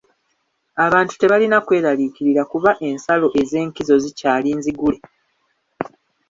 Abantu tebalina kweraliikirira kuba ensalo ez'enkizo zikyali nzigule.